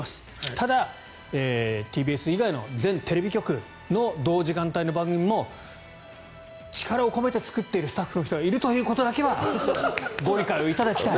ただ、ＴＢＳ以外の全テレビ局の同時間帯の番組も力を込めて作っているスタッフの人がいるということだけはご理解いただきたい。